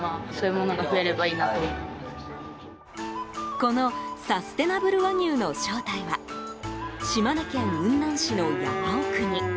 このサステナブル和牛の正体は島根県雲南市の山奥に。